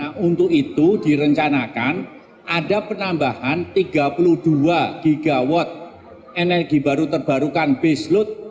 nah untuk itu direncanakan ada penambahan tiga puluh dua gigawatt energi baru terbarukan baseload